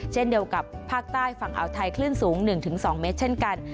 เช่นเดียวกับภาคใต้ฝั่งอ่าวไทยคลื่นสูง๑๒เมตรเช่นกัน